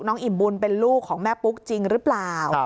อิ่มบุญเป็นลูกของแม่ปุ๊กจริงหรือเปล่า